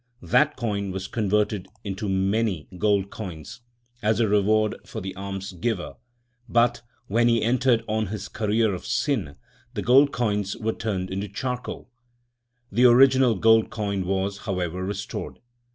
That coin was converted into many 70 THE SIKH RELIGION gold coins as a reward for the alms giver, but, when he entered on his career of sin, the gold coins were turned into charcoal. The original gold coin was, however, restored.